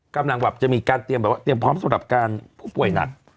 กำลังจะมีการเตรียมพร้อมสำหรับการผู้ป่วยหนัก